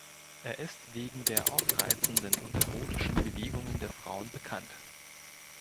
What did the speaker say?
Er ist wegen der aufreizenden und erotischen Bewegungen der Frauen bekannt.